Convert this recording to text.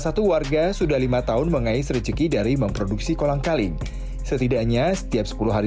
satu warga sudah lima tahun mengais receki dari memproduksi kolangkaling setidaknya setiap sepuluh hari